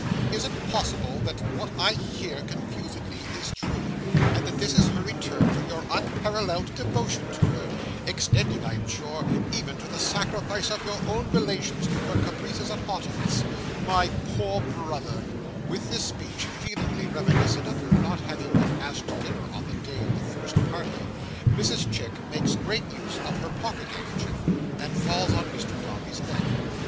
Is it possible that what I hear confusedly, is true, and that this is her return for your unparalleled devotion to her; extending, I am sure, even to the sacrifice of your own relations, to her caprices and haughtiness? My poor brother!" With this speech feelingly reminiscent of her not having been asked to dinner on the day of the first party, Mrs Chick makes great use of her pocket handkerchief, and falls on Mr Dombey's neck.